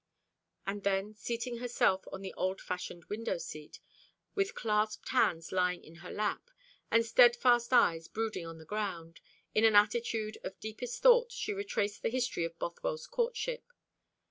And then, seating herself on the old fashioned window seat, with clasped hands lying in her lap, and steadfast eyes brooding on the ground; in an attitude of deepest thought, she retraced the history of Bothwell's courtship.